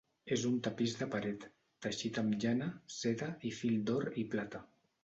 És un tapís de paret, teixit amb llana, seda, i fil d'or i plata.